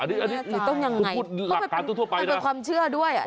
อันนี้ต้องยังไงมันเป็นความเชื่อด้วย